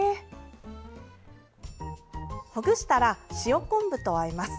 ほぐしたら、塩昆布とあえます。